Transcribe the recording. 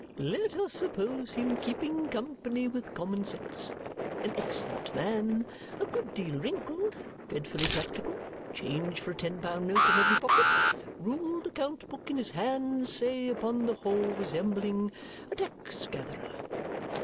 Let us suppose him keeping company with Common Sense an excellent man a good deal wrinkled dreadfully practical change for a ten pound note in every pocket ruled account book in his hand say, upon the whole, resembling a tax gatherer.